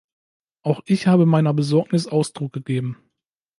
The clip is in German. Auch ich habe meiner Besorgnis Ausdruck gegeben.